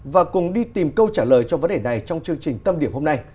và cùng đi tìm câu trả lời cho vấn đề này trong chương trình tâm điểm hôm nay